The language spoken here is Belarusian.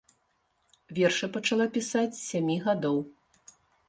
Вершы пачала пісаць з сямі гадоў.